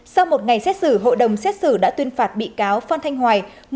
sau một ngày xét xử hội đồng xét xử đã tuyên phạt bị cáo phan thanh hoài